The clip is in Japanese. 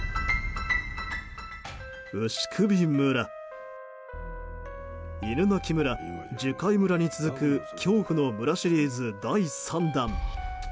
「牛首村」「犬鳴村」、「樹海村」に続く「恐怖の村」シリーズ第３弾。